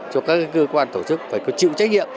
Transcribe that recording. cho các cơ quan tổ chức phải có chịu trách nhiệm